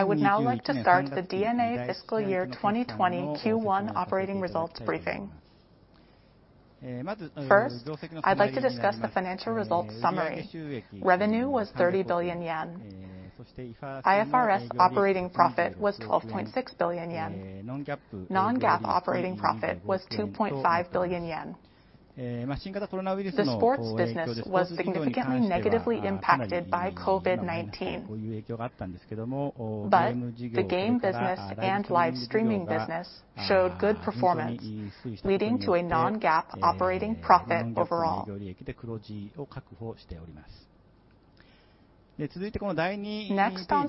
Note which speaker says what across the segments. Speaker 1: I would now like to start the DeNA fiscal year 2020 Q1 operating results briefing. I'd like to discuss the financial results summary. Revenue was 30 billion yen. IFRS operating profit was 12.6 billion yen. Non-GAAP operating profit was 2.5 billion yen. The sports business was significantly negatively impacted by COVID-19. The game business and live streaming business showed good performance, leading to a Non-GAAP operating profit overall. On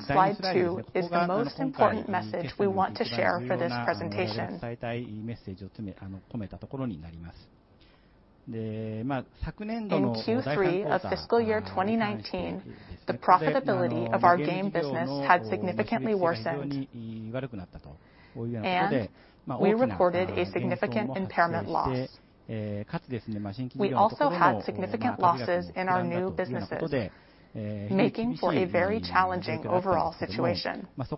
Speaker 1: slide two is the most important message we want to share for this presentation. In Q3 of fiscal year 2019, the profitability of our game business had significantly worsened, and we reported a significant impairment loss. We also had significant losses in our new businesses, making for a very challenging overall situation. At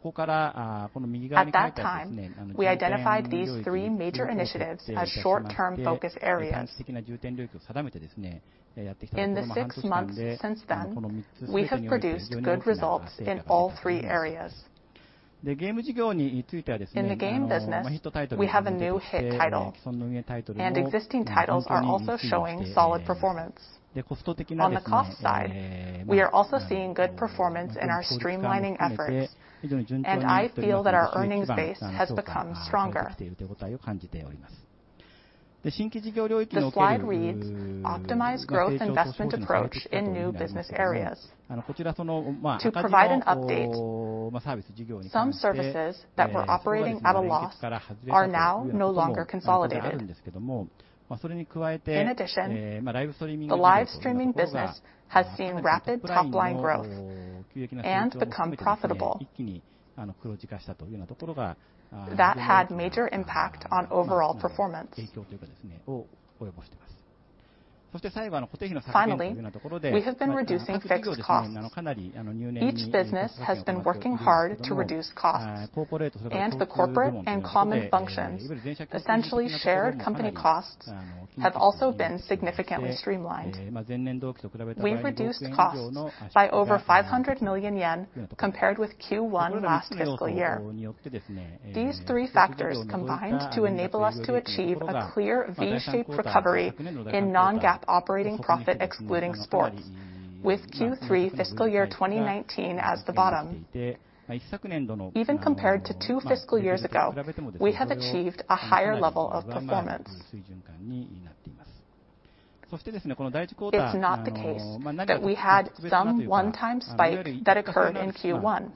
Speaker 1: that time, we identified these three major initiatives as short-term focus areas. In the six months since then, we have produced good results in all three areas. In the game business, we have a new hit title, and existing titles are also showing solid performance. On the cost side, we are also seeing good performance in our streamlining efforts, and I feel that our earnings base has become stronger. The slide reads, "Optimize growth investment approach in new business areas." To provide an update, some services that were operating at a loss are now no longer consolidated. In addition, the live streaming business has seen rapid top-line growth and become profitable. That had a major impact on overall performance. Finally, we have been reducing fixed costs. Each business has been working hard to reduce costs, and the corporate and common functions, essentially shared company costs, have also been significantly streamlined. We've reduced costs by over 500 million yen compared with Q1 last fiscal year. These three factors combined to enable us to achieve a clear V-shaped recovery in non-GAAP operating profit excluding sports, with Q3 fiscal year 2019 as the bottom. Even compared to two fiscal years ago, we have achieved a higher level of performance. It's not the case that we had some one-time spike that occurred in Q1.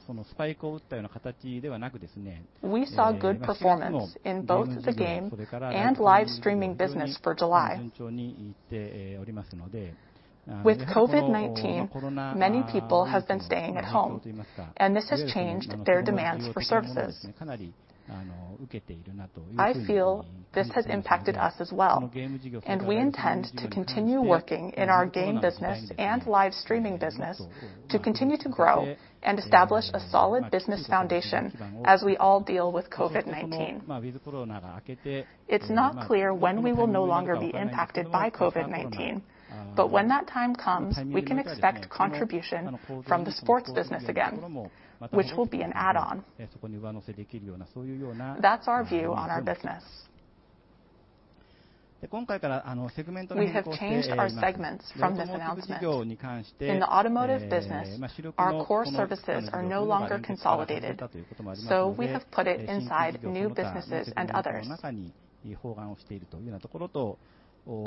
Speaker 1: We saw good performance in both the game and live streaming business for July. With COVID-19, many people have been staying at home, and this has changed their demands for services. I feel this has impacted us as well, and we intend to continue working in our game business and live streaming business to continue to grow and establish a solid business foundation as we all deal with COVID-19. It's not clear when we will no longer be impacted by COVID-19, but when that time comes, we can expect contribution from the Sports Business again, which will be an add-on. That's our view on our business. We have changed our segments from this announcement. In the Automotive Business, our core services are no longer consolidated, so we have put it inside New Businesses and Others.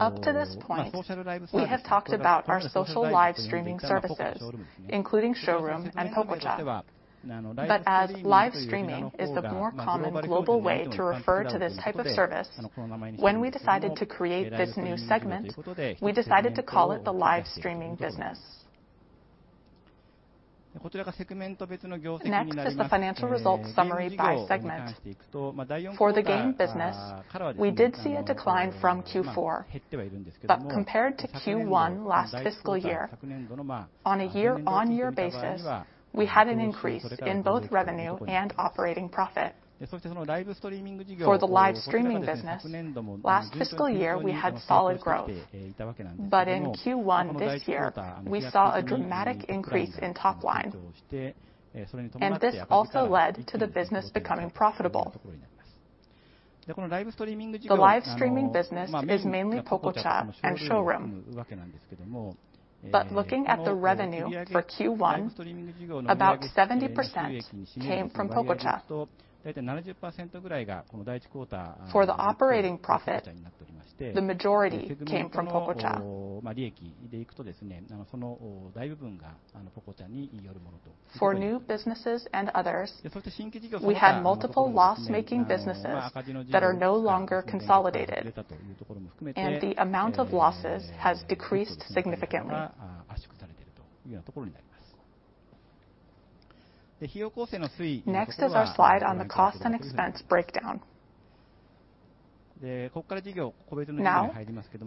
Speaker 1: Up to this point, we have talked about our social live streaming services, including SHOWROOM and Pococha. As live streaming is the more common global way to refer to this type of service, when we decided to create this new segment, we decided to call it the Live Streaming Business. Next is the financial results summary by segment. For the Game Business, we did see a decline from Q4. Compared to Q1 last fiscal year, on a year-on-year basis, we had an increase in both revenue and operating profit. For the live streaming business, last fiscal year, we had solid growth. In Q1 this year, we saw a dramatic increase in top line, and this also led to the business becoming profitable. The live streaming business is mainly Pococha and SHOWROOM. Looking at the revenue for Q1, about 70% came from Pococha. For the operating profit, the majority came from Pococha. For new businesses and others, we had multiple loss-making businesses that are no longer consolidated, and the amount of losses has decreased significantly. Next is our slide on the cost and expense breakdown. Now,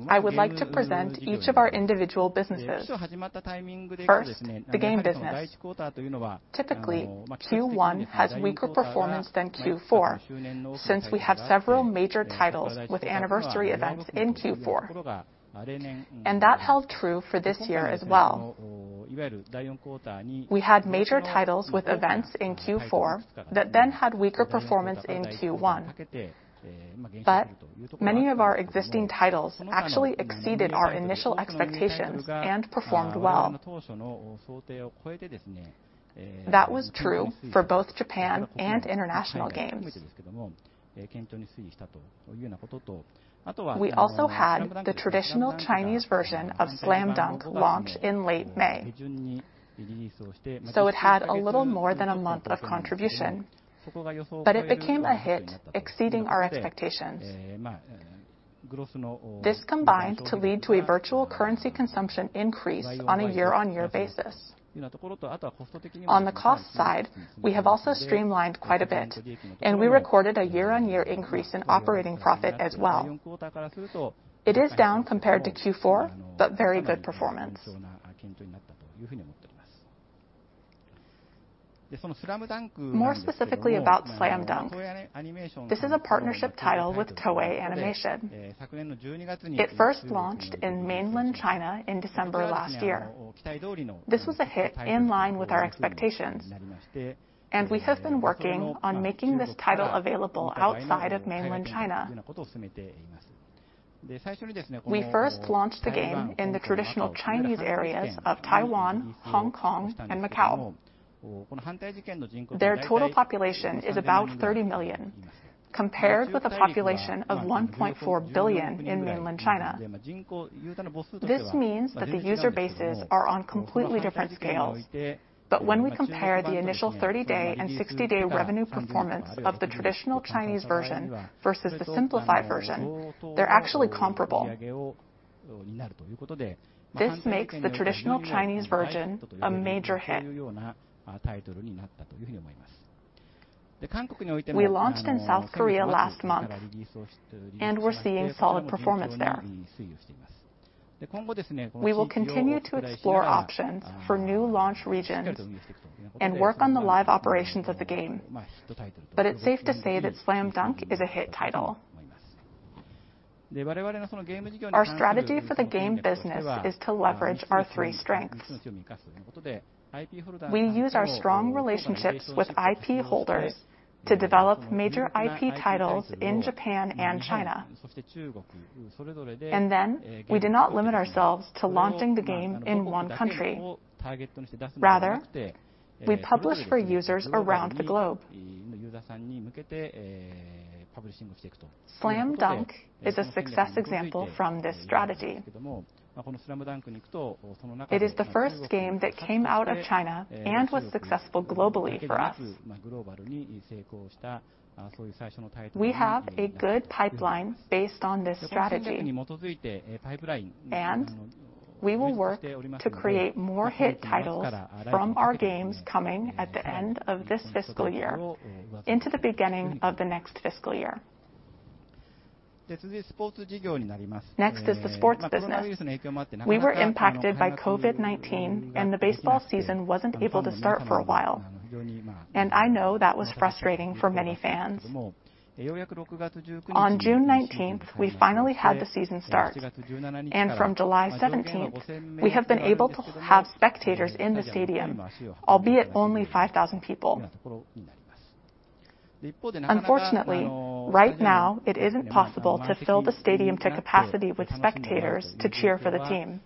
Speaker 1: I would like to present each of our individual businesses. First, the game business. Typically, Q1 has weaker performance than Q4, since we have several major titles with anniversary events in Q4. That held true for this year as well. We had major titles with events in Q4 that then had weaker performance in Q1. Many of our existing titles actually exceeded our initial expectations and performed well. That was true for both Japan and international games. We also had the traditional Chinese version of Slam Dunk launch in late May. It had a little more than one month of contribution, but it became a hit, exceeding our expectations. This combined to lead to a virtual currency consumption increase on a year-on-year basis. On the cost side, we have also streamlined quite a bit, and we recorded a year-on-year increase in operating profit as well. It is down compared to Q4, but very good performance. More specifically about Slam Dunk, this is a partnership title with Toei Animation. It first launched in Mainland China in December last year. This was a hit in line with our expectations, and we have been working on making this title available outside of Mainland China. We first launched the game in the traditional Chinese areas of Taiwan, Hong Kong, and Macau. Their total population is about 30 million, compared with a population of 1.4 billion in Mainland China. This means that the user bases are on completely different scales. When we compare the initial 30-day and 60-day revenue performance of the traditional Chinese version versus the simplified version, they're actually comparable. This makes the traditional Chinese version a major hit. We launched in South Korea last month, and we're seeing solid performance there. We will continue to explore options for new launch regions and work on the live operations of the game. It's safe to say that Slam Dunk is a hit title. Our strategy for the game business is to leverage our three strengths. We use our strong relationships with IP holders to develop major IP titles in Japan and China. We do not limit ourselves to launching the game in one country. Rather, we publish for users around the globe. Slam Dunk is a success example from this strategy. It is the first game that came out of China and was successful globally for us. We have a good pipeline based on this strategy, and we will work to create more hit titles from our games coming at the end of this fiscal year into the beginning of the next fiscal year. Next is the sports business. We were impacted by COVID-19, and the baseball season wasn't able to start for a while. I know that was frustrating for many fans. On 19th June, we finally had the season start, and from 17th July, we have been able to have spectators in the stadium, albeit only 5,000 people. Unfortunately, right now it isn't possible to fill the stadium to capacity with spectators to cheer for the team.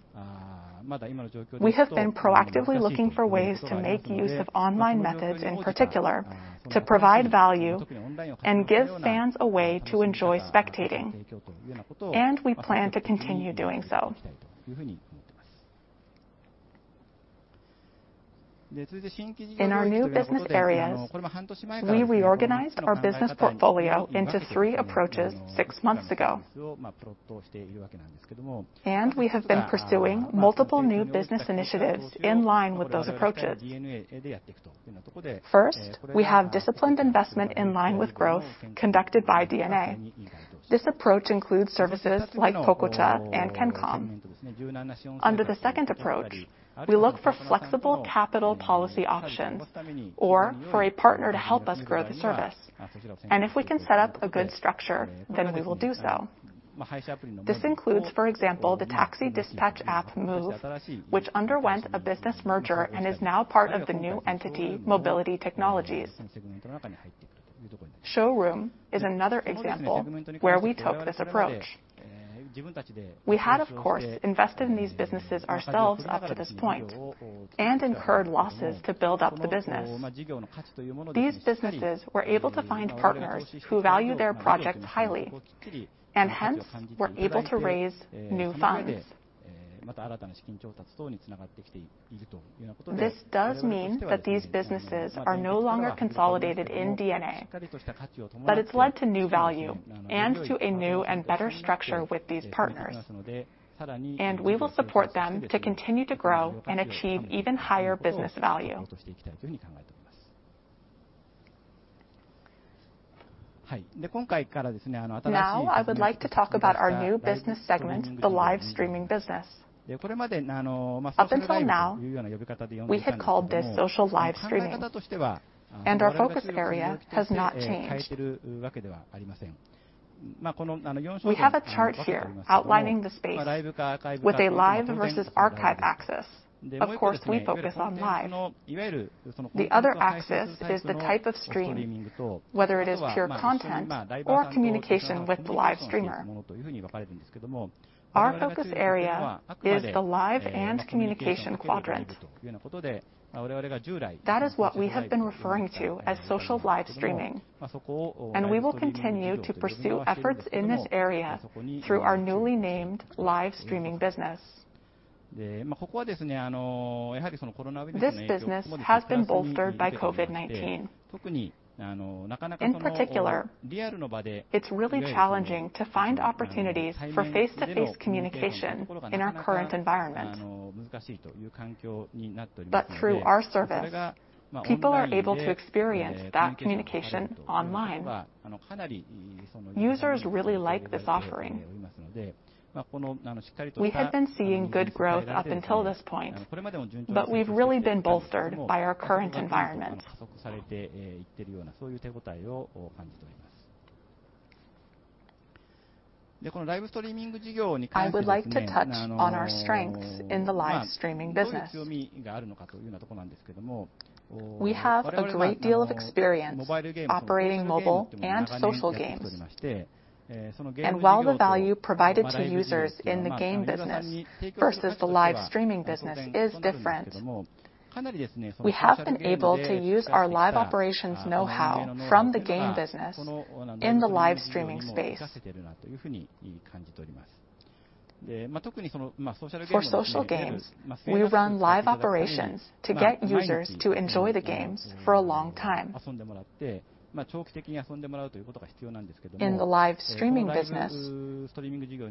Speaker 1: We have been proactively looking for ways to make use of online methods in particular to provide value and give fans a way to enjoy spectating, and we plan to continue doing so. In our new business areas, we reorganized our business portfolio into three approaches six months ago, and we have been pursuing multiple new business initiatives in line with those approaches. First, we have disciplined investment in line with growth conducted by DeNA. This approach includes services like Pococha and kencom. Under the second approach, we look for flexible capital policy options or for a partner to help us grow the service. If we can set up a good structure, then we will do so. This includes, for example, the taxi dispatch app, MOV, which underwent a business merger and is now part of the new entity, Mobility Technologies. SHOWROOM is another example where we took this approach. We had, of course, invested in these businesses ourselves up to this point and incurred losses to build up the business. These businesses were able to find partners who value their project highly, and hence, were able to raise new funds. This does mean that these businesses are no longer consolidated in DeNA. It's led to new value and to a new and better structure with these partners, and we will support them to continue to grow and achieve even higher business value. I would like to talk about our new business segment, the live streaming business. Up until now, we had called this social live streaming, and our focus area has not changed. We have a chart here outlining the space with a live versus archive axis. Of course, we focus on live. The other axis is the type of stream, whether it is pure content or communication with the live streamer. Our focus area is the live and communication quadrant. That is what we have been referring to as social live streaming, and we will continue to pursue efforts in this area through our newly named live streaming business. This business has been bolstered by COVID-19. In particular, it's really challenging to find opportunities for face-to-face communication in our current environment. Through our service, people are able to experience that communication online. Users really like this offering. We have been seeing good growth up until this point, but we've really been bolstered by our current environment. I would like to touch on our strengths in the live streaming business. We have a great deal of experience operating mobile and social games. While the value provided to users in the game business versus the live streaming business is different, we have been able to use our live operations know-how from the game business in the live streaming space. For social games, we run live operations to get users to enjoy the games for a long time. In the live streaming business,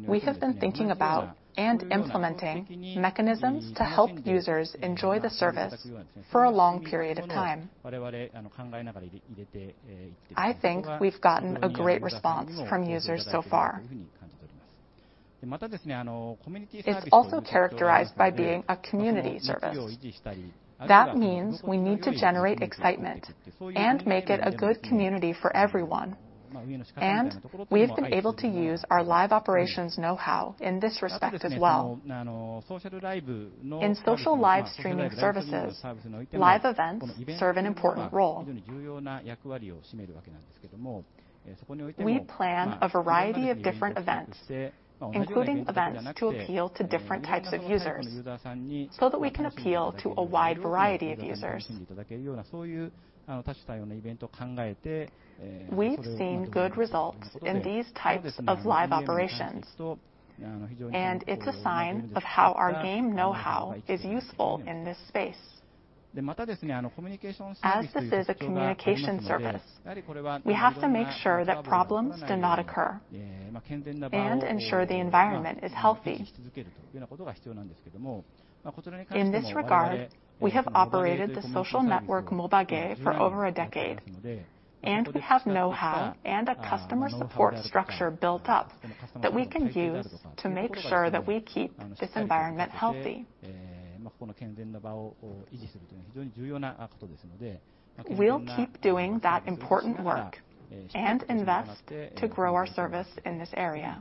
Speaker 1: we have been thinking about and implementing mechanisms to help users enjoy the service for a long period of time. I think we've gotten a great response from users so far. It's also characterized by being a community service. That means we need to generate excitement and make it a good community for everyone, and we have been able to use our live operations know-how in this respect as well. In social live streaming services, live events serve an important role. We plan a variety of different events, including events to appeal to different types of users, so that we can appeal to a wide variety of users. We've seen good results in these types of live operations, and it's a sign of how our game know-how is useful in this space. As this is a communication service, we have to make sure that problems do not occur and ensure the environment is healthy. In this regard, we have operated the social network Mobage for over a decade, and we have know-how and a customer support structure built up that we can use to make sure that we keep this environment healthy. We'll keep doing that important work and invest to grow our service in this area.